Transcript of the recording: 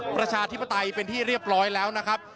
ประชาธิปไตยเป็นที่เรียบร้อยแล้วนะครับ